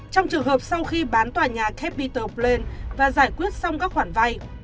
trong trường hợp sau khi bán tòa nhà capital pland và giải quyết xong các khoản vay